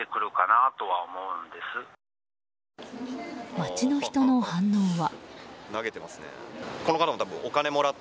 街の人の反応は。